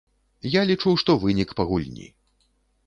Я лічу, што вынік па гульні.